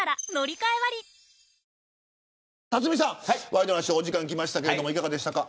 ワイドナショーお時間きましたがいかがでしたか。